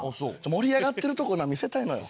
盛り上がってるとこをな見せたいのよ。